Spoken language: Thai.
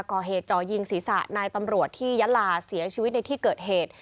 ก่อเหตุจ่อยิงศีรษะนายตำรวจที่ยะลาเสียชีวิตในที่เกิดเหตุ